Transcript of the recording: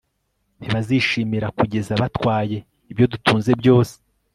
ntibazishima kugeza batwaye ibyo dutunze byose